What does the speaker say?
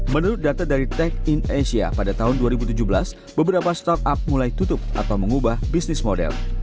menurut data dari tech in asia pada tahun dua ribu tujuh belas beberapa startup mulai tutup atau mengubah bisnis model